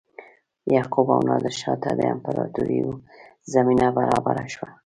یعقوب او نادرشاه ته د امپراتوریو زمینه برابره شوه.